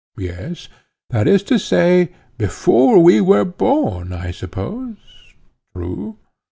Yes. That is to say, before we were born, I suppose? True.